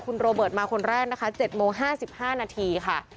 คุณโรเบิร์ตมาคนแรกนะคะ๗โมง๕๕นาทีค่ะ